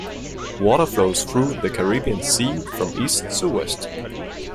Water flows through the Caribbean Sea from east to west.